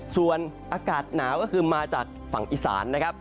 ส่วนอากาศหนาวก็คือมาจากฝั่งอีสานนะครับ